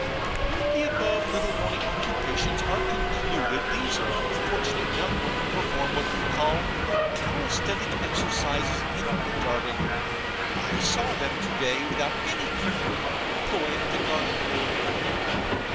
When the above little morning occupations are concluded, these unfortunate young women perform what they call Calisthenic Exercises in the garden. I saw them to day, without any crinoline, pulling the garden roller.